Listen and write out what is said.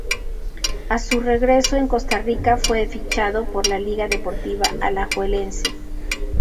A su regreso en Costa Rica, fue fichado por la Liga Deportiva Alajuelense.